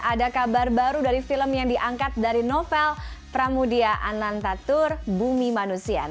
ada kabar baru dari film yang diangkat dari novel pramudia anantatur bumi manusia